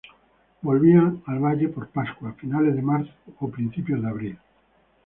Volvían al valle por Pascua, a finales de marzo o principios de abril.